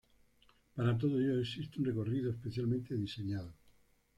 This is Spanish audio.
Para todo ello existe un recorrido especialmente diseñado.